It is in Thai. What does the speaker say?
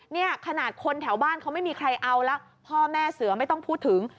เนี่ยขนาดคนแถวบ้านเขาไม่มีใครเอาแล้วพ่อแม่เสือไม่ต้องพูดถึง